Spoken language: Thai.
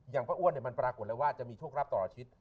อย่างพระอ้วนมันปรากฏแล้วว่าจะมีโชครัพย์ต่อชีวิต